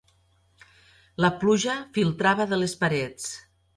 La pluja filtrava de les parets.